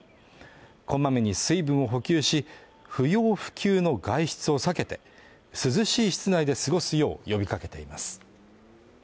こまめに水分を補給し、不要不急の外出を避けて、涼しい室内で過ごすよう呼びかけています。